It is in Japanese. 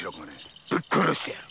・ぶっ殺してやる！